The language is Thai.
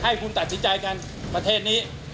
ให้คุณตัดสินใจกันประเทศนี้